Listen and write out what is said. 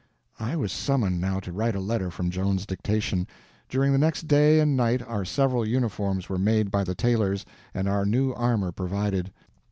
I was summoned now to write a letter from Joan's dictation. During the next day and night our several uniforms were made by the tailors, and our new armor provided.